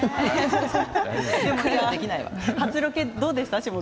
初ロケどうでしたか？